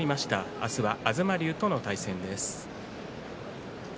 明日は東龍との対戦です。